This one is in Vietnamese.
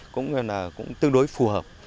cũng là cũng tương đối phù hợp